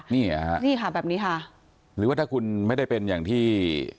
นี่ฮะนี่ค่ะแบบนี้ค่ะหรือว่าถ้าคุณไม่ได้เป็นอย่างที่